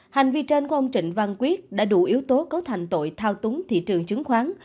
hành vi trên của ông trịnh văn quyết đã đủ yếu tố cấu thành tội thao túng thị trường chứng khoán